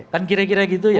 kan kira kira gitu ya